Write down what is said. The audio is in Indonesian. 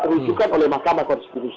rujukan oleh makamah konstitusi